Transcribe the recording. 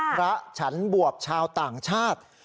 ฉันบวบชาวต่างชาติ